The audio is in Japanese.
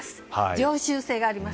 常習性があります。